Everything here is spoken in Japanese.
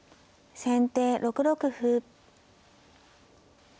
先手６六歩。